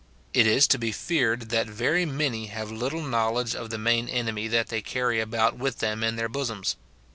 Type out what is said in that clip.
It is to be feared that very many have little knowledge of the main enemy that they carry about with them in their bosoms.